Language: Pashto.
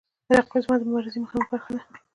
رقیب زما د مبارزې مهمه برخه ده